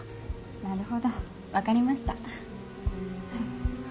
なるほど分かりました。